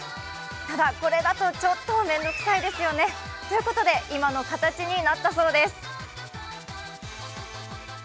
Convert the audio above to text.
ただ、これだとちょっとめんどくさいですよね？ということで、今の形になったそうです。